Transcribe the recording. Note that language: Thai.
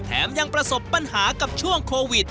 ยังประสบปัญหากับช่วงโควิด